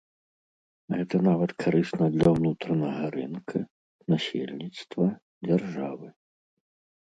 Гэта нават карысна для ўнутранага рынка, насельніцтва, дзяржавы.